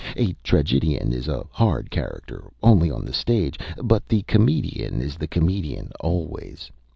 A tragedian is a hard character only on the stage, but the comedian is the comedian always.